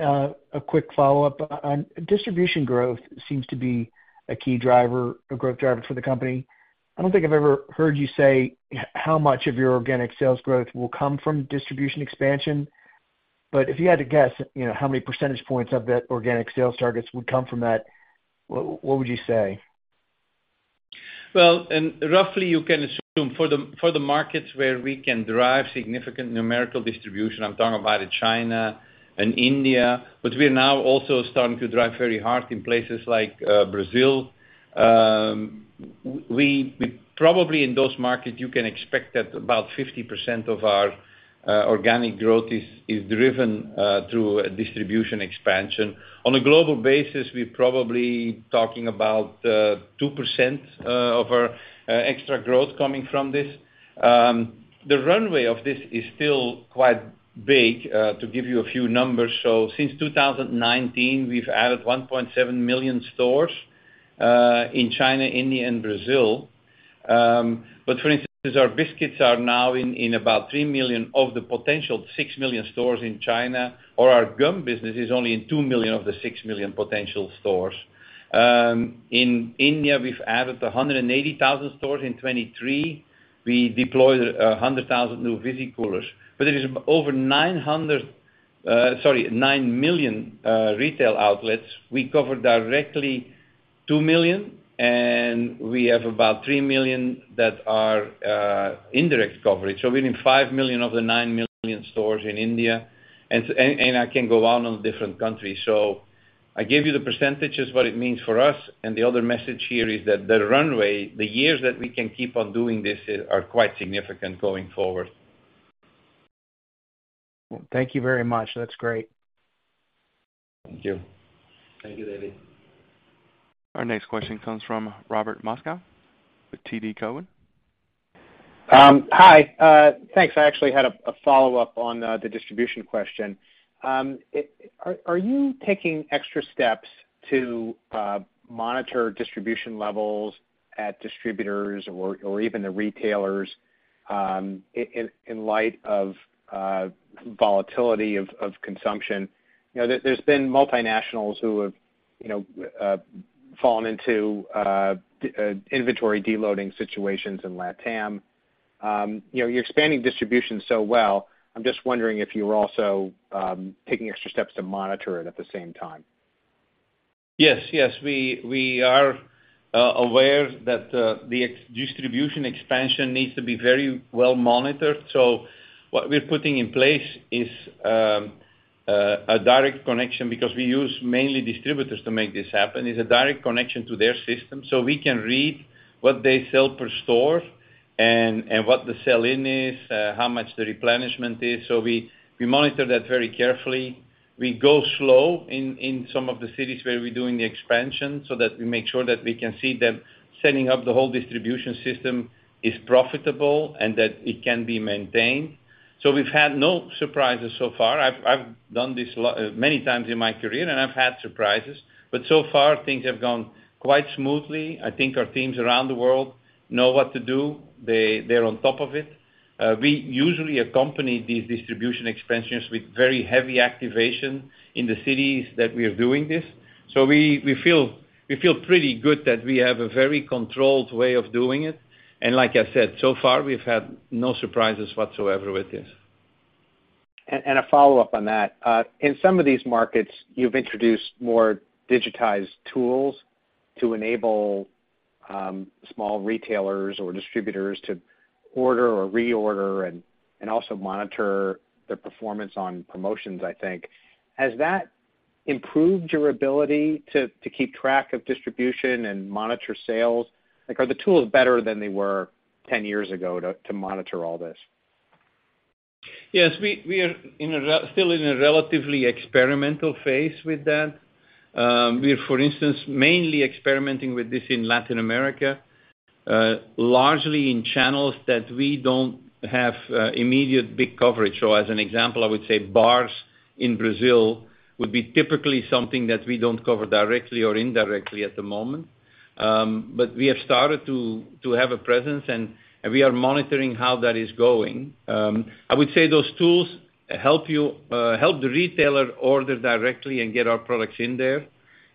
A quick follow-up. On distribution growth seems to be a key driver, a growth driver for the company. I don't think I've ever heard you say how much of your organic sales growth will come from distribution expansion. But if you had to guess, you know, how many percentage points of that organic sales targets would come from that, what, what would you say? Well, and roughly, you can assume for the markets where we can drive significant numerical distribution. I'm talking about in China and India, but we're now also starting to drive very hard in places like Brazil. We probably in those markets, you can expect that about 50% of our organic growth is driven through a distribution expansion. On a global basis, we're probably talking about 2% of our extra growth coming from this. The runway of this is still quite big, to give you a few numbers. So since 2019, we've added 1.7 million stores in China, India, and Brazil. But for instance, our biscuits are now in about three million of the potential six million stores in China, or our gum business is only in two million of the six million potential stores. In India, we've added 180,000 stores. In 2023, we deployed a 100,000 new visicoolers. But it is over 900, sorry, nine million retail outlets. We cover directly two million, and we have about three million that are indirect coverage. So we need five million of the nine million stores in India, and I can go on in different countries. So I gave you the percentages, what it means for us, and the other message here is that the runway, the years that we can keep on doing this, are quite significant going forward. Thank you very much. That's great. Thank you. Thank you, David. Our next question comes from Robert Moskow with TD Cowen. Hi, thanks. I actually had a follow-up on the distribution question. Are you taking extra steps to monitor distribution levels at distributors or even the retailers in light of volatility of consumption? You know, there's been multinationals who have, you know, fallen into inventory deloading situations in Latam. You know, you're expanding distribution so well. I'm just wondering if you're also taking extra steps to monitor it at the same time. Yes, yes, we, we are aware that the distribution expansion needs to be very well monitored. So what we're putting in place is a direct connection, because we use mainly distributors to make this happen. It's a direct connection to their system, so we can read what they sell per store and what the sell-in is, how much the replenishment is. So we, we monitor that very carefully. We go slow in some of the cities where we're doing the expansion, so that we make sure that we can see that setting up the whole distribution system is profitable and that it can be maintained. So we've had no surprises so far. I've, I've done this many times in my career, and I've had surprises, but so far, things have gone quite smoothly. I think our teams around the world know what to do. They, they're on top of it. We usually accompany these distribution expansions with very heavy activation in the cities that we are doing this. So we, we feel, we feel pretty good that we have a very controlled way of doing it. And like I said, so far, we've had no surprises whatsoever with this. A follow-up on that. In some of these markets, you've introduced more digitized tools to enable small retailers or distributors to order or reorder and also monitor their performance on promotions, I think. Has that improved your ability to keep track of distribution and monitor sales? Like, are the tools better than they were 10 years ago to monitor all this? Yes, we are still in a relatively experimental phase with that. We're, for instance, mainly experimenting with this in Latin America, largely in channels that we don't have immediate big coverage. So as an example, I would say bars in Brazil would be typically something that we don't cover directly or indirectly at the moment. But we have started to have a presence, and we are monitoring how that is going. I would say those tools help you help the retailer order directly and get our products in there.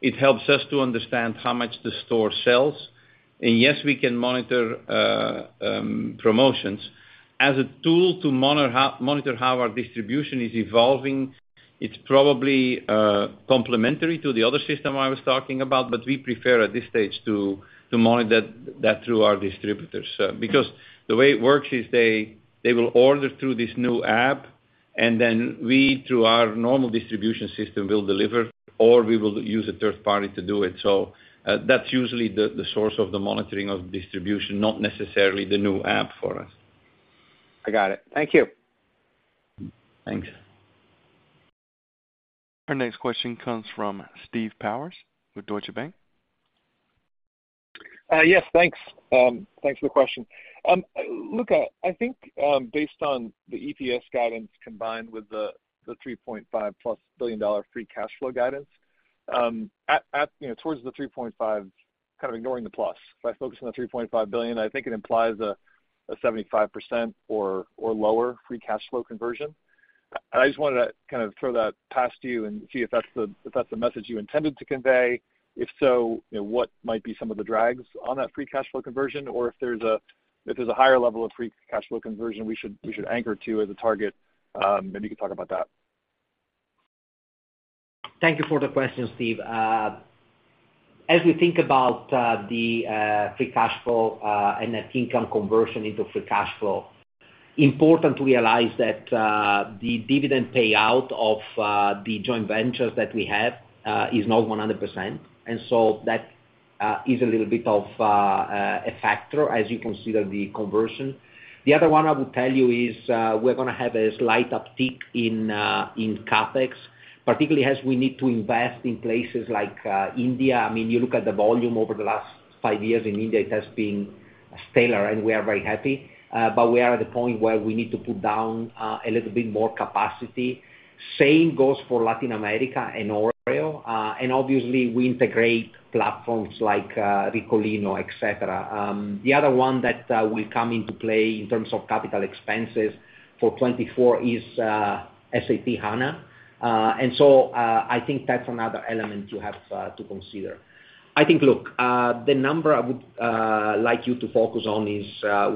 It helps us to understand how much the store sells. And yes, we can monitor promotions. As a tool to monitor how our distribution is evolving, it's probably complementary to the other system I was talking about, but we prefer at this stage to monitor that through our distributors. Because the way it works is they will order through this new app, and then we, through our normal distribution system, will deliver, or we will use a third party to do it. So, that's usually the source of the monitoring of distribution, not necessarily the new app for us. I got it. Thank you. Thanks. Our next question comes from Steve Powers with Deutsche Bank. Yes, thanks. Thanks for the question. Luca, I think, based on the EPS guidance combined with the $3.5+ billion free cash flow guidance, you know, towards the $3.5 billion, kind of ignoring the plus, if I focus on the $3.5 billion, I think it implies a 75% or lower free cash flow conversion. I just wanted to kind of throw that past you and see if that's the message you intended to convey. If so, you know, what might be some of the drags on that free cash flow conversion, or if there's a higher level of free cash flow conversion we should anchor to as a target, maybe you could talk about that. Thank you for the question, Steve. As we think about the free cash flow and net income conversion into free cash flow, important to realize that the dividend payout of the joint ventures that we have is not 100%, and so that is a little bit of a factor as you consider the conversion. The other one I would tell you is, we're gonna have a slight uptick in CapEx, particularly as we need to invest in places like India. I mean, you look at the volume over the last five years in India, it has been stellar, and we are very happy, but we are at the point where we need to put down a little bit more capacity. Same goes for Latin America and Oreo, and obviously we integrate platforms like Ricolino, et cetera. The other one that will come into play in terms of capital expenses for 2024 is SAP HANA. And so, I think that's another element you have to consider. I think, look, the number I would like you to focus on is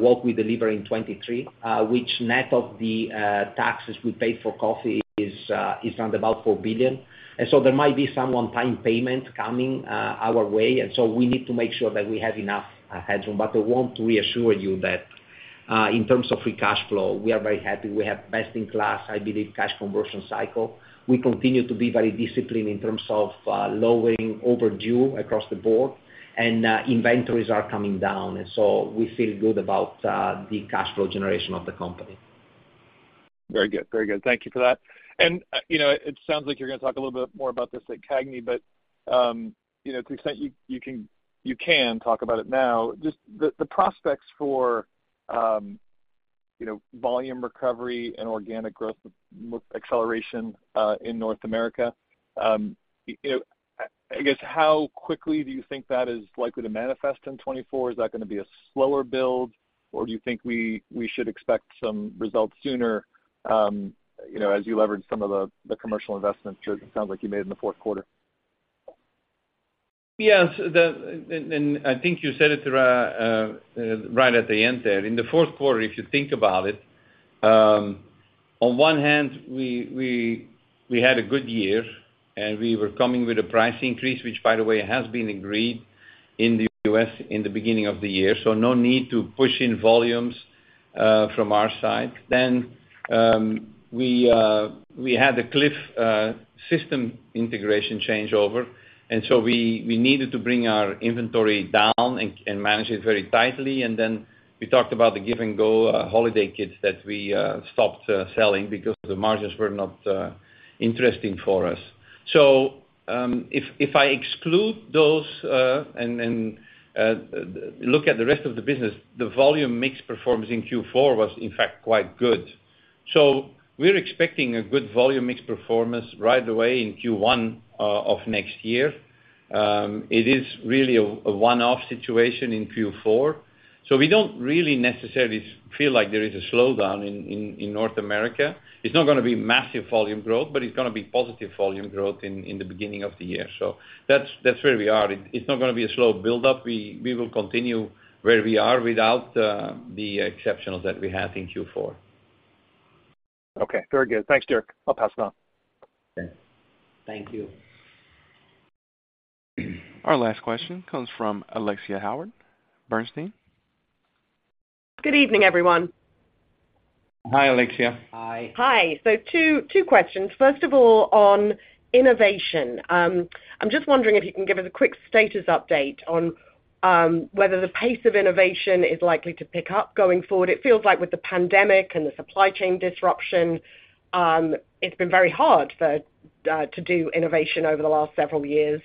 what we deliver in 2023, which net of the taxes we pay for coffee is around $4 billion. And so there might be some one-time payment coming our way, and so we need to make sure that we have enough headroom. But I want to reassure you that in terms of free cash flow, we are very happy. We have best-in-class, I believe, cash conversion cycle. We continue to be very disciplined in terms of lowering overdue across the board, and inventories are coming down, and so we feel good about the cash flow generation of the company. Very good. Very good. Thank you for that. And, you know, it sounds like you're gonna talk a little bit more about this at CAGNY, but, you know, to the extent you, you can, you can talk about it now, just the, the prospects for, you know, volume recovery and organic growth acceleration, in North America, you know, I, I guess, how quickly do you think that is likely to manifest in 2024? Is that gonna be a slower build, or do you think we, we should expect some results sooner, you know, as you leverage some of the, the commercial investments it sounds like you made in the fourth quarter? Yes. And I think you said it right at the end there. In the fourth quarter, if you think about it, on one hand, we had a good year, and we were coming with a price increase, which by the way, has been agreed in the U.S. in the beginning of the year, so no need to push in volumes from our side. Then we had a Clif system integration changeover, and so we needed to bring our inventory down and manage it very tightly. And then we talked about the Give & Go holiday kits that we stopped selling because the margins were not interesting for us. So, if I exclude those, and then look at the rest of the business, the volume mix performance in Q4 was in fact quite good. So we're expecting a good volume mix performance right away in Q1 of next year. It is really a one-off situation in Q4. So we don't really necessarily feel like there is a slowdown in North America. It's not gonna be massive volume growth, but it's gonna be positive volume growth in the beginning of the year. So that's where we are. It's not gonna be a slow build-up. We will continue where we are without the exceptionals that we had in Q4. Okay, very good. Thanks, Dirk. I'll pass it on. Thanks. Thank you. Our last question comes from Alexia Howard, Bernstein. Good evening, everyone. Hi, Alexia. Hi. Hi. So two, two questions. First of all, on innovation. I'm just wondering if you can give us a quick status update on, whether the pace of innovation is likely to pick up going forward. It feels like with the pandemic and the supply chain disruption, it's been very hard for, to do innovation over the last several years.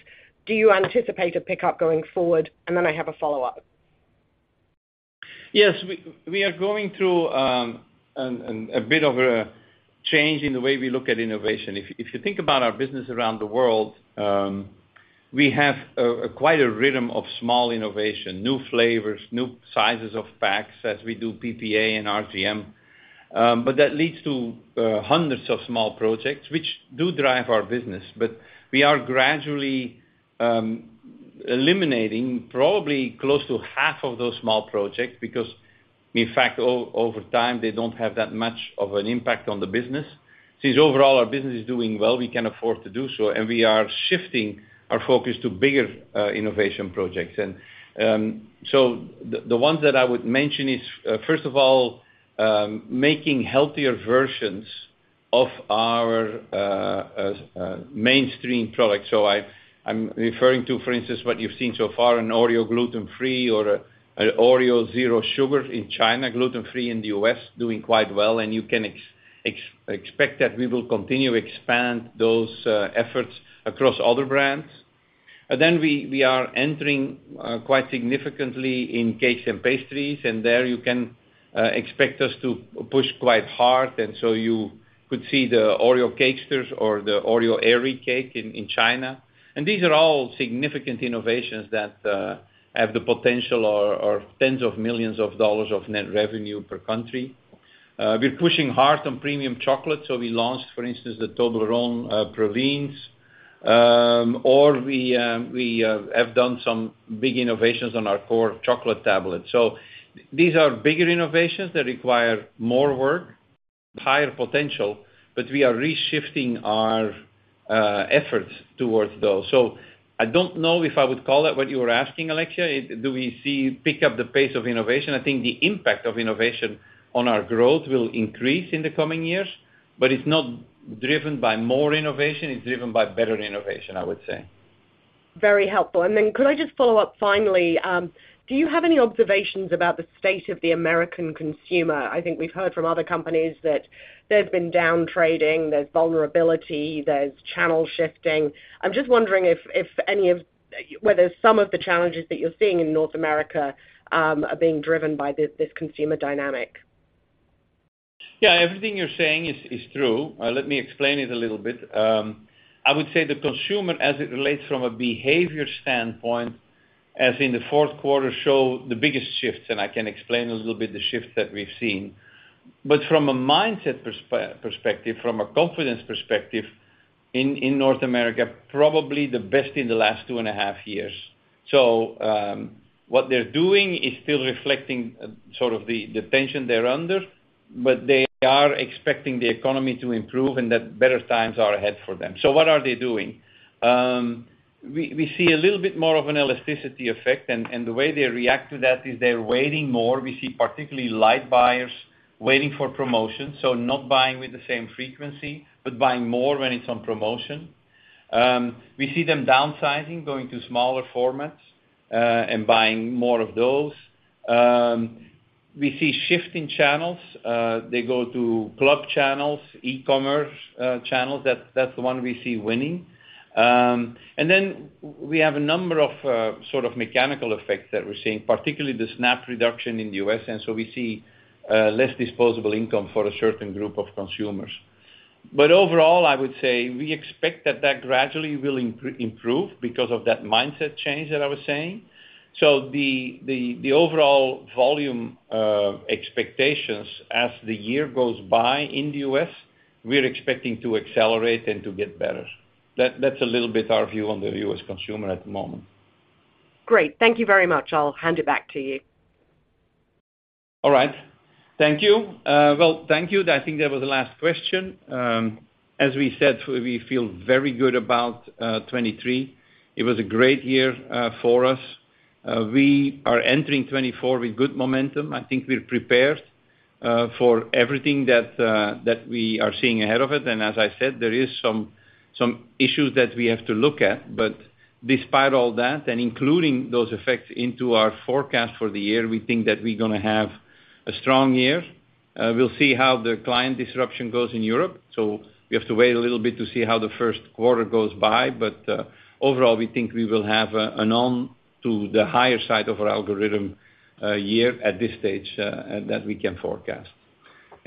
Do you anticipate a pickup going forward? And then I have a follow-up. Yes, we are going through a bit of a change in the way we look at innovation. If you think about our business around the world, we have quite a rhythm of small innovation, new flavors, new sizes of packs, as we do PPA and RGM. But that leads to hundreds of small projects which do drive our business. But we are gradually eliminating probably close to half of those small projects because, in fact, over time, they don't have that much of an impact on the business. Since overall our business is doing well, we can afford to do so, and we are shifting our focus to bigger innovation projects. And so the ones that I would mention is, first of all, making healthier versions of our mainstream products. So I'm referring to, for instance, what you've seen so far in Oreo Gluten Free or Oreo Zero Sugar in China, Gluten-Free in the U.S., doing quite well, and you can expect that we will continue to expand those efforts across other brands. And then we are entering quite significantly in cakes and pastries, and there you can expect us to push quite hard. And so you could see the Oreo Cakesters or the Oreo Airy Cake in China. And these are all significant innovations that have the potential or tens of millions of dollars of net revenue per country. We're pushing hard on premium chocolate, so we launched, for instance, the Toblerone Pralines, or we have done some big innovations on our core chocolate tablets. These are bigger innovations that require more work, higher potential, but we are reshifting our efforts towards those. I don't know if I would call it what you were asking, Alexia, do we see pick up the pace of innovation? I think the impact of innovation on our growth will increase in the coming years, but it's not driven by more innovation, it's driven by better innovation, I would say. Very helpful. Then could I just follow up finally, do you have any observations about the state of the American consumer? I think we've heard from other companies that there's been down trading, there's vulnerability, there's channel shifting. I'm just wondering if any of whether some of the challenges that you're seeing in North America are being driven by this consumer dynamic. Yeah, everything you're saying is true. Let me explain it a little bit. I would say the consumer, as it relates from a behavior standpoint, as in the fourth quarter, show the biggest shifts, and I can explain a little bit the shifts that we've seen. But from a mindset perspective, from a confidence perspective in North America, probably the best in the last two and a half years. So, what they're doing is still reflecting sort of the tension they're under, but they are expecting the economy to improve and that better times are ahead for them. So what are they doing? We see a little bit more of an elasticity effect, and the way they react to that is they're waiting more. We see particularly light buyers waiting for promotions, so not buying with the same frequency, but buying more when it's on promotion. We see them downsizing, going to smaller formats, and buying more of those. We see shifting channels. They go to club channels, e-commerce, channels. That's, that's the one we see winning. And then we have a number of, sort of mechanical effects that we're seeing, particularly the SNAP reduction in the U.S., and so we see, less disposable income for a certain group of consumers. But overall, I would say we expect that that gradually will improve because of that mindset change that I was saying. So the, the, the overall volume, expectations as the year goes by in the U.S., we're expecting to accelerate and to get better. That, that's a little bit our view on the U.S. consumer at the moment. Great. Thank you very much. I'll hand it back to you. All right. Thank you. Well, thank you. I think that was the last question. As we said, we feel very good about 2023. It was a great year for us. We are entering 2024 with good momentum. I think we're prepared for everything that we are seeing ahead of it. And as I said, there is some issues that we have to look at. But despite all that, and including those effects into our forecast for the year, we think that we're gonna have a strong year. We'll see how the client disruption goes in Europe, so we have to wait a little bit to see how the first quarter goes by. But overall, we think we will have an on to the higher side of our algorithm year at this stage that we can forecast.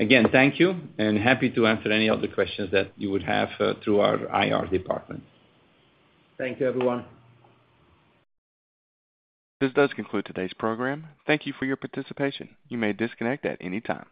Again, thank you, and happy to answer any of the questions that you would have, through our IR department. Thank you, everyone. This does conclude today's program. Thank you for your participation. You may disconnect at any time.